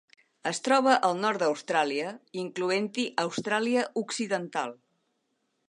Es troba al nord d'Austràlia, incloent-hi Austràlia Occidental.